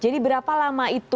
jadi berapa lama itu